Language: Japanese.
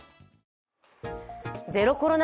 ゼロコロナ